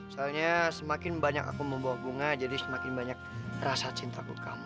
soalnya semakin banyak aku membawa bunga jadi semakin banyak rasa cintaku kamu